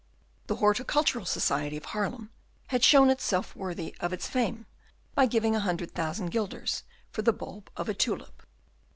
The Horticultural Society of Haarlem had shown itself worthy of its fame by giving a hundred thousand guilders for the bulb of a tulip.